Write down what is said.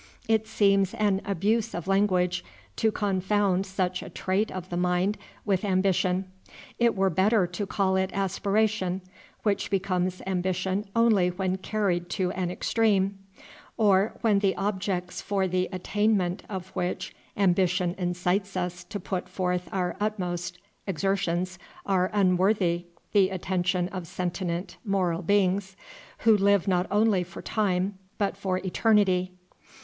It seems an abuse of language to confound such a trait of the mind with ambition. It were better to call it aspiration, which becomes ambition only when carried to an extreme, or when the objects for the attainment of which ambition incites us to put forth our utmost exertions are unworthy the attention of sentient moral beings, who live not only for time, but for eternity.